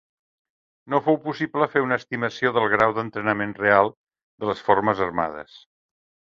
No fou possible fer una estimació del grau d'entrenament real de les formes armades.